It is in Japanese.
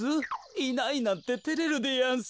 いないなんててれるでやんす。